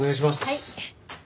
はい。